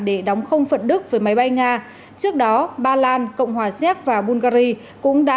để đóng không phận đức với máy bay nga trước đó ba lan cộng hòa xéc và bungary cũng đã